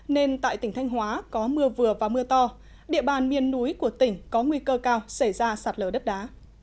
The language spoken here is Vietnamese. nên tại tỉnh thanh hóa có mưa vừa và mưa to địa bàn miền núi của tỉnh có nguy cơ cao xảy ra sạt lở đất đá